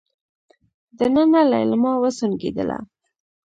دننه ليلما وسونګېدله.